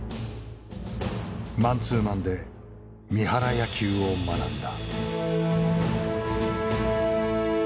マンツーマンで三原野球を学んだ。